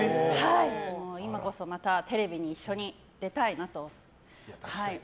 今こそまたテレビに一緒に出たいなと。